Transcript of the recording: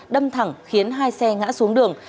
đâm thẳng khiến hai xe ngã xuống đường